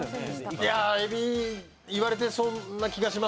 いやエビ言われてそんな気がしますね。